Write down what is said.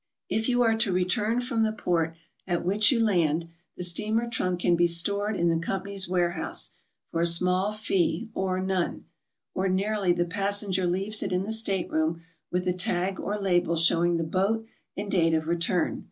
If you are to return from the port at which you land, the steamer trunk can be stored in the company's warehouse, for a small fee or none. Ordinarily the passenger leaves it in the stateroom, with a tag or label showing the boat and date of return.